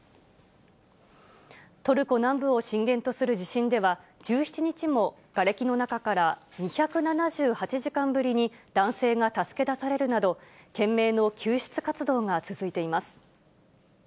トルコ南部を震源とする地震では、１７日も、がれきの中から２７８時間ぶりに男性が助け出されるなど、懸命の救出活動が続いています。